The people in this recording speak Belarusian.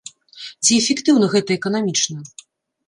Ці эфектыўна гэта эканамічна?